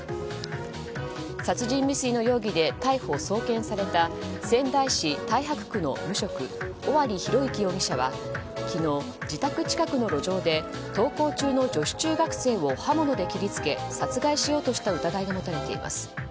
殺人未遂の容疑で逮捕・送検された仙台市太白区の無職尾張裕之容疑者は昨日、自宅近くの路上で登校中の女子中学生を刃物で切り付け殺害しようとした疑いが持たれています。